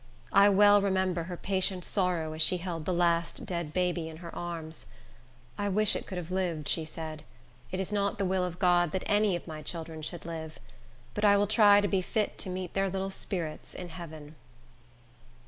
I well remember her patient sorrow as she held the last dead baby in her arms. "I wish it could have lived," she said; "it is not the will of God that any of my children should live. But I will try to be fit to meet their little spirits in heaven."